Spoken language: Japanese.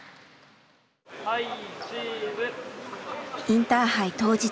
インターハイ当日。